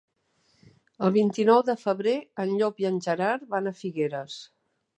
El vint-i-nou de febrer en Llop i en Gerard van a Figueres.